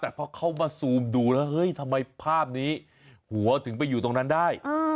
แต่พอเขามาซูมดูแล้วเฮ้ยทำไมภาพนี้หัวถึงไปอยู่ตรงนั้นได้